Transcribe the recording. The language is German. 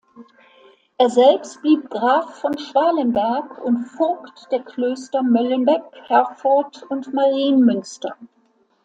Er selbst blieb Graf von Schwalenberg und Vogt der Klöster Möllenbeck, Herford und Marienmünster.